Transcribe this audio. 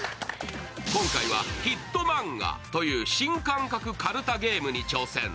今回は「ヒットマンガ」という新感覚かるたゲームに挑戦。